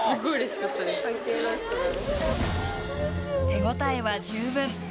手応えは十分。